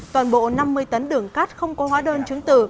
toàn bộ năm mươi tấn đường cát không có hóa đơn chứng tử